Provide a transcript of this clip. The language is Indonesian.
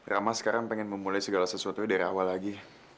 rama sekarang pengen memulai segala sesuatu dari awal lagi